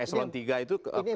eselon tiga itu kepala bagian